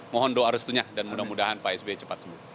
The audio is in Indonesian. mohon doa restunya dan mudah mudahan pak sby cepat sembuh